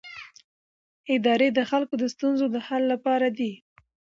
ادارې د خلکو د ستونزو د حل لپاره دي